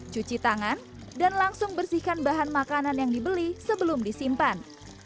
cuci tangan dan langsung bersihkan bahan makanan yang dibeli sebelum disimpan